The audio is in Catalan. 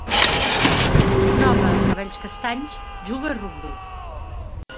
Un home amb cabells castanys juga a rugbi.